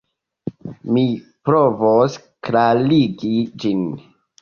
Mi provos klarigi ĝin.